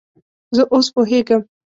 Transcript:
زه اوس پوهیږم